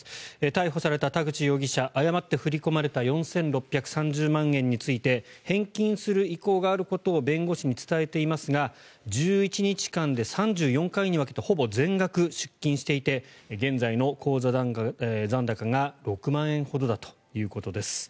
逮捕された田口容疑者誤って振り込まれた４６３０万円について返金する意向があることを弁護士に伝えていますが１１日間で３４回に分けてほぼ全額出金していて現在の口座残高が６万円ほどだということです。